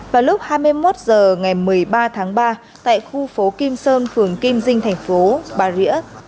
vào lúc hai mươi một h ngày một mươi ba tháng ba tại khu phố kim sơn phường kim dinh thành phố bà rịa